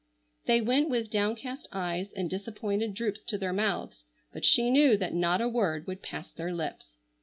They went with downcast eyes and disappointed droops to their mouths, but she knew that not a word would pass their lips.